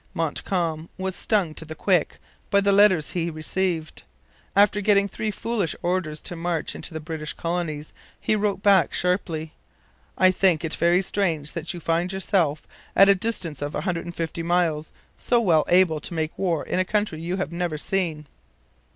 Montcalm was stung to the quick by the letters he received. After getting three foolish orders to march into the British colonies he wrote back sharply: 'I think it very strange that you find yourself, at a distance of a hundred and fifty miles, so well able to make war in a country you have never seen!'